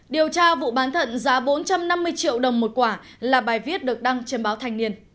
điều tra vụ bán thận giá bốn trăm năm mươi triệu đồng một quả là bài viết được đăng trên báo thanh niên